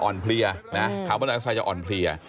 อ่อนเพลียนะคาร์บอนไดออกไซด์จะอ่อนเพลีย